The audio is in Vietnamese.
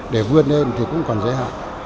để vươn lên thì cũng còn dễ hạn